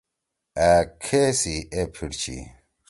أ کھے سی اے پھیٹ چھی۔